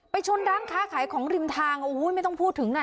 ชนร้านค้าขายของริมทางโอ้โหไม่ต้องพูดถึงน่ะ